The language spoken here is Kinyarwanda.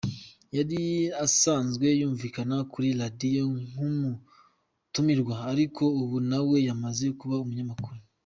Yari asanzwe yumvikana kuri radio nk'umutumirwa, ariko ubu nawe yamaze kuba umunyamakuru.